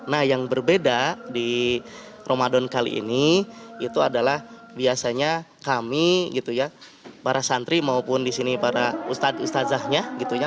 nah yang berbeda di ramadan kali ini itu adalah biasanya kami gitu ya para santri maupun di sini para ustadz ustazahnya gitu ya